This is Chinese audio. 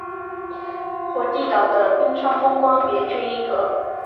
火地岛的冰川风光别具一格。